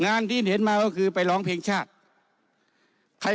งานที่เห็นมาก็คือไปร้องเพลงชาติใคร